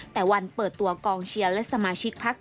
แต่วันเปิดตัวกองเชียร์และสมาชิกพัก